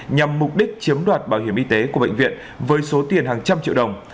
nhằm mục đích chiếm đoạt bảo hiểm y tế của bệnh viện với số tiền hàng trăm triệu đồng